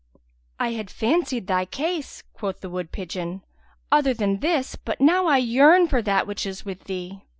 "I had fancied thy case," quoth the wood pigeon, "other than this, but now I yearn for that which is with thee."